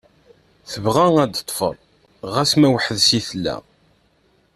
Tebɣa ad teffer, xas ma weḥdes i tella.